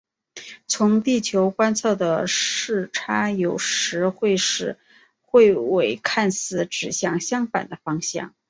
从地球观测的视差有时会使彗尾看似指向相反的方向。